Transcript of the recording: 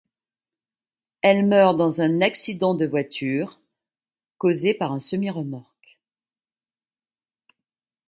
Elle meurt dans un accident de voiture, causé par un semi-remorque.